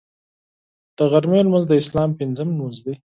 د غرمې لمونځ د اسلام پنځم لمونځ دی